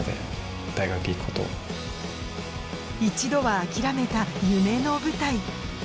一度は諦めた夢の舞台